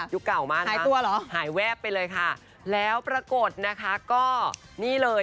ยุคเก่ามานะคะหายแวบไปเลยค่ะแล้วปรากฏนะคะก็นี่เลย